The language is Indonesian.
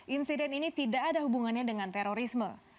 insiden ini tidak ada hubungannya dengan terorisme